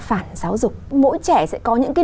phản giáo dục mỗi trẻ sẽ có những cái